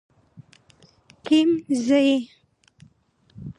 کيم ځي ئې